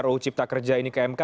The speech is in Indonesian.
ruu cipta kerja ini ke mk